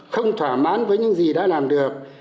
không thỏa mãn với những gì đã làm được